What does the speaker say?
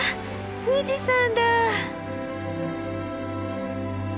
富士山だ！